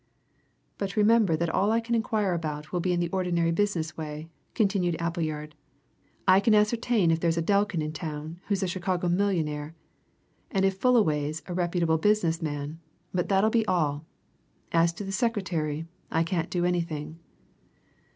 "But remember that all I can inquire about will be in the ordinary business way," continued Appleyard. "I can ascertain if there is a Delkin in town, who's a Chicago millionaire, and if Fullaway's a reputable business man but that'll be all. As to the secretary, I can't do anything."